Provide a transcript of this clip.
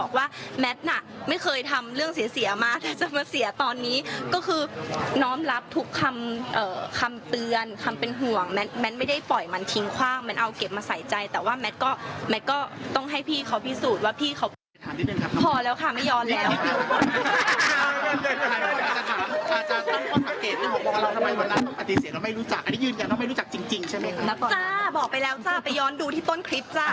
คำเตือนคำเป็นห่วงแมทไม่ได้ปล่อยมันทิ้งขว้างแมทเอาเก็บมาใส่ใจแต่ว่าแมทก็ต้องให้พี่เขาพิสูจน์ว่าพี่เขาพอแล้วค่ะไม่ย้อนแล้วจ้าบอกไปแล้วจ้าไปย้อนดูที่ต้นคลิปจ้า